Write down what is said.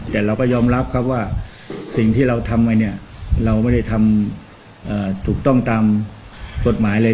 แต่เราก็ยอมรับครับว่าสิ่งที่เราทำไว้เนี่ยเราไม่ได้ทำถูกต้องตามกฎหมายเลย